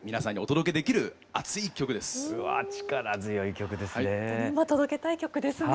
うわぁ力強い曲ですね。